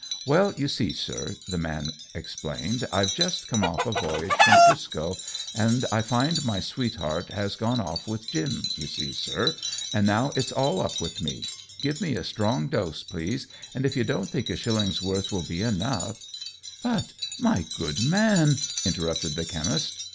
"Well, you see, sir," the man explained, "I've just come off a voyage from 'Frisco, and I find my sweetheart has gone off with Jim, you see, sir, and now it's all up with me. Give me a strong dose, please, and if you don't think a shilling's worth will be enough " "But, my good man " interrupted the chemist.